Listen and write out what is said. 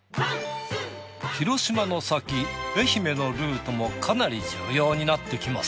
広島の先愛媛のルートもかなり重要になってきます。